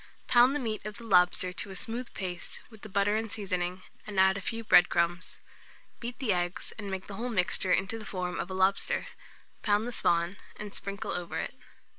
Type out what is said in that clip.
Pound the meat of the lobster to a smooth paste with the butter and seasoning, and add a few bread crumbs. Beat the eggs, and make the whole mixture into the form of a lobster; pound the spawn, and sprinkle over it.